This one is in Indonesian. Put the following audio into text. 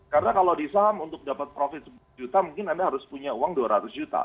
karena kalau di saham untuk dapat profit sepuluh juta mungkin anda harus punya uang dua ratus juta